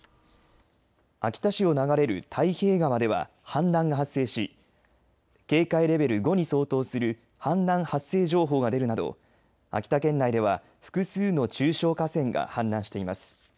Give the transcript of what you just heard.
秋田市を流れる太平川では氾濫が発生し警戒レベル５に相当する氾濫発生情報が出るなど秋田県内では複数の中小河川が氾濫しています。